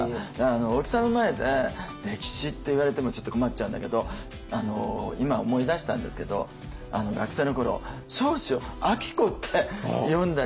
大木さんの前で歴史っていわれてもちょっと困っちゃうんだけど今思い出したんですけど学生の頃彰子を「あきこ」って読んだりとかね。